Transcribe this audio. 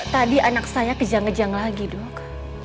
tadi anak saya kejang kejang lagi dok